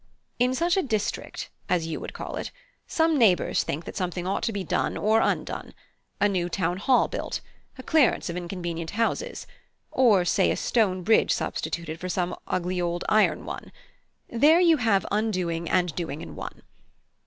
In such a district, as you would call it, some neighbours think that something ought to be done or undone: a new town hall built; a clearance of inconvenient houses; or say a stone bridge substituted for some ugly old iron one, there you have undoing and doing in one.